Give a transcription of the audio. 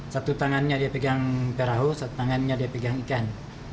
satu tangannya dia pegang perahu satu tangannya dia pegang ikan